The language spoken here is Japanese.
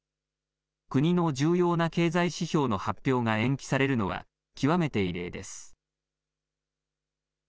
国の重要な経済指標の発表が延期されるのは極めて異例です。